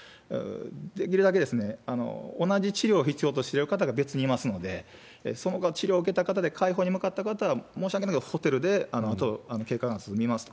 できるだけ同じ治療を必要としてる方が別にいますので、その治療受けたあとで快方に向かった方は、申し訳ないけどホテルであと、経過観察診ますと。